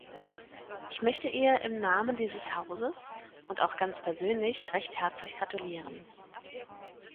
Ich möchte ihr im Namen dieses Hauses und auch ganz persönlich recht herzlich gratulieren.